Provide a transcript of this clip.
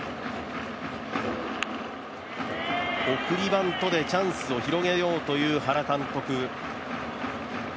送りバントでチャンスを広げようという原監督。